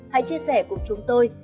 hãy chia sẻ với chúng tôi